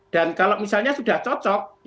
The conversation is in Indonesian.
dan kalau misalnya sudah cocok